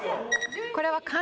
これは。